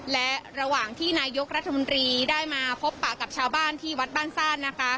และระหว่างที่นายกรัฐมนตรีได้มาพบปะกับชาวบ้านที่วัดบ้านซ่านนะคะ